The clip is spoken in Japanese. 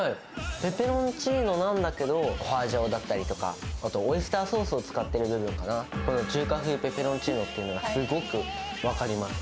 ペペロンチーノなんだけど、ホアジャオだったりだとか、あとオイスターソースを使っているからか、中華風ペペロンチーノっていうのはすごく分かります。